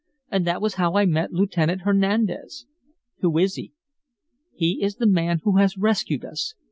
And that was how I met Lieutenant Hernandez." "Who is he?" "He is the man who has rescued us.